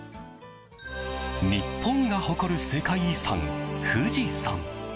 日本が誇る世界遺産・富士山。